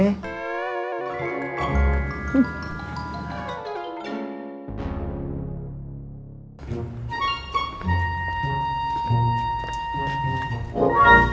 dia nurut sama gue